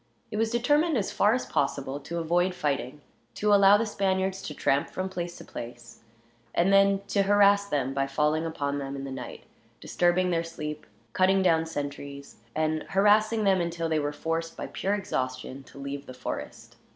It was determined as far as possible to avoid fighting, to allow the Spaniards to tramp from place to place, and then to harass them by falling upon them in the night, disturbing their sleep, cutting down sentries; and harassing them until they were forced, by pure exhaustion, to leave the forest.